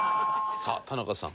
さあ田中さん。